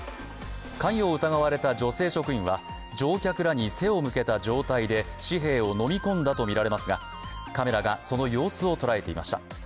関与を疑われた女性職員は乗客らに背を向けた状態で紙幣を飲み込んだとみられますが、カメラがその様子を捉えていました。